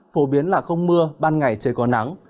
phổ biến là không mưa ban ngày trời có nắng